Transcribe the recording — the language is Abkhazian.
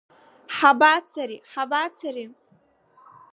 Ҳабацари, ҳабацари!